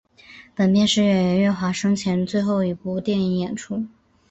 本片是演员岳华生前的最后一部电影演出。